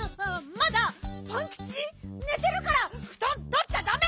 まだパンキチねてるからふとんとっちゃダメ！